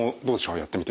やってみて。